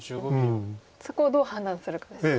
そこをどう判断するかですか。